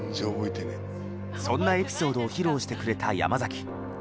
そんなエピソードを披露してくれた山崎。